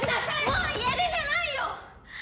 もう家出じゃないよ！